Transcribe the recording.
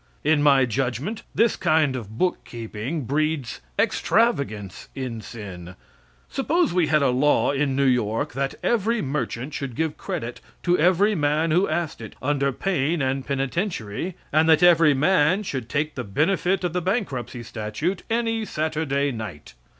In my judgment, this kind of bookkeeping breeds extravagance in sin. Suppose we had a law in New York that every merchant should give credit to every man who asked it, under pain and penitentiary, and that every man should take the benefit of the bankruptcy statute any Saturday night?